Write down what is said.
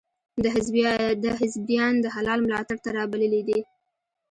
ده حزبیان د هلال ملاتړ ته را بللي دي.